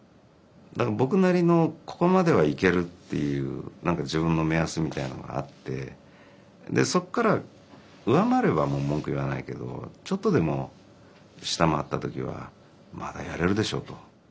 僕なりの「ここまではいける」っていう自分の目安みたいなのがあってそこから上回ればもう文句言わないけどちょっとでも下回った時は「まだやれるでしょ？」と。